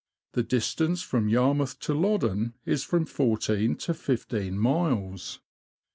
The distance from Yarmouth to Loddon is from fourteen to fifteen miles.